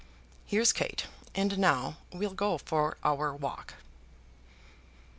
Here's Kate, and now we'll go for our walk."